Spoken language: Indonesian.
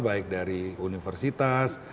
baik dari universitas